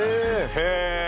へえ！